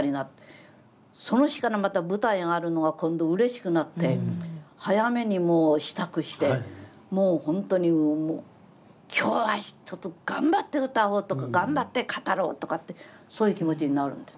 その日からまた舞台へ上がるのが今度うれしくなって早めにもう支度してもう本当にもう今日はひとつ頑張って歌おうとか頑張って語ろうとかってそういう気持ちになるんです。